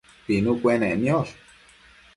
pinu cuenec niosh